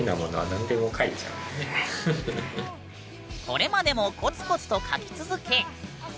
これまでもコツコツと描き続け。